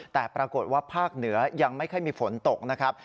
แต่ปรากฏว่าภาคเหนือยังไม่ค่อยมีฝนตกนะครับ